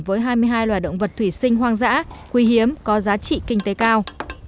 với hai mươi hai loài động vật thủy sinh hoang dã quý hiếm có giá trị kinh tế cao